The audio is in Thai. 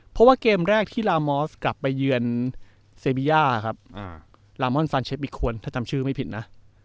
เพราะว่าเกมแรกที่ลามอสกลับไปเยือนเซบีย่าครับลามอนซานเชฟอีกควรถ้าจำชื่อไม่ผิดนะ